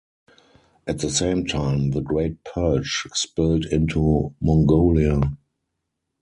At the same time, the Great Purge spilled into Mongolia.